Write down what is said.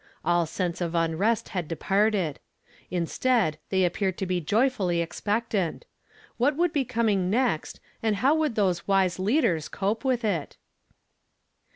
All sense of unrest had departed ; instead, they appeared to be joy fully expectant. What would be coming next, and how would those wise leaders cope with it?